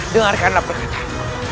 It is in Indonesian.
dengarkan apa katanya